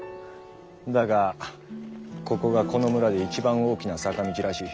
だがここがこの村で一番大きな「坂道」らしい。